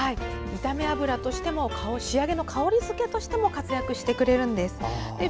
炒め油としても仕上げの香りづけとしても活躍してくれるんです。